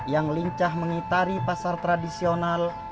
yang lincah mengitari pasar tradisional